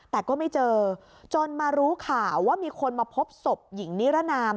แต่ก็ไม่เจอจนมารู้ข่าวว่ามีคนมาพบศพหญิงนิรนาม